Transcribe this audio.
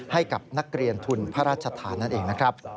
ให้กับนักเรียนทุนพระราชทานนั่นเองนะครับ